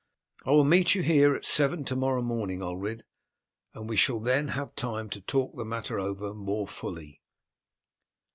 "I will meet you here at seven to morrow morning, Ulred, and we shall then have time to talk the matter over more fully."